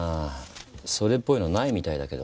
それっぽいのないみたいだけど。